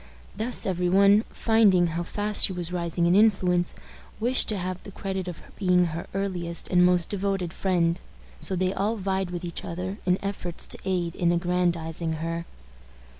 Thus every one, finding how fast she was rising in influence, wished to have the credit of being her earliest and most devoted friend; so they all vied with each other in efforts to aid in aggrandizing her.